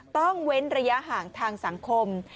เว้นระยะห่างทางสังคม